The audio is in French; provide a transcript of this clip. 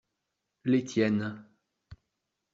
Les tiennes.